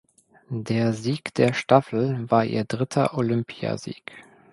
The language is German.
Der Sieg der Staffel war ihr dritter Olympiasieg.